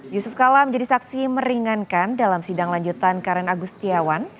yusuf kala menjadi saksi meringankan dalam sidang lanjutan karen agustiawan